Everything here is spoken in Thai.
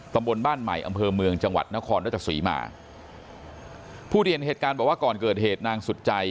ตำบลบ้านใหม่อำเภอเมืองจังหวัดนครราชสีมาผู้ที่เห็นเหตุการณ์บอกว่าก่อนเกิดเหตุนางสุดใจ